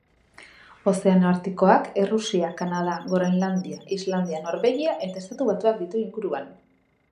Ozeano Artikoak Errusia, Kanada, Groenlandia, Islandia, Norvegia eta Estatu Batuak ditu inguruan.